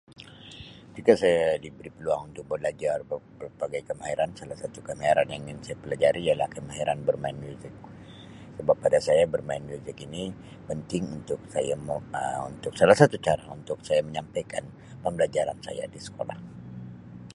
Jika saya diberi peluang untuk belajar berbagai kemahiran salah satu kemahiran yang ingin saya pelajari ialah kemahiran bermain muzik sebab pada saya bermain muzik ini penting untuk saya mau Um salah satu cara untuk saya menyampaikan pembelajaran saya di sekolah.